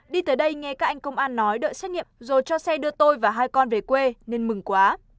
đi tới đây nghe các anh công an nói đợi xét nghiệm rồi cho xe đưa tôi và hai con về quê nên mừng quá